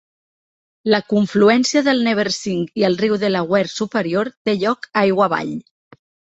La confluència del Neversink i el riu Delaware superior té lloc aigua avall.